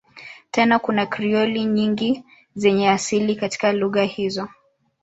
Tena kuna Krioli nyingi zenye asili katika lugha hizo.